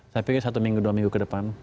saya pikir satu minggu dua minggu ke depan